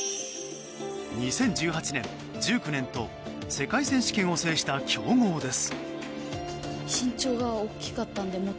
２０１８年、１９年と世界選手権を制した強豪です。